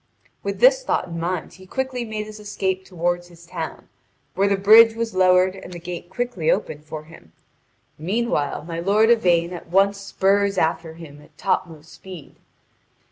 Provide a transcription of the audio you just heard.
With this thought in mind he quickly made his escape toward his town, where the bridge was lowered and the gate quickly opened for him; meanwhile my lord Yvain at once spurs after him at topmost speed.